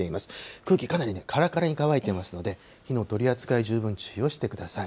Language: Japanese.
空気、かなりね、からからに乾いてますから、火の取り扱い、十分注意をしてください。